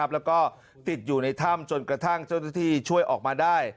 แล้วก็ติดอยู่ในถ้ำจนกระทั่งเจ้าหน้าที่ช่วยออกมาได้